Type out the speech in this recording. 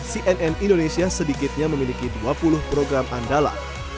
cnn indonesia sedikitnya memiliki dua puluh program andalan